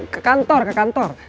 ke kantor ke kantor